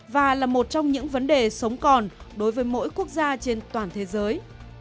và là một trong những vấn đề sống còn đối với mỗi quốc gia trên toàn thế giới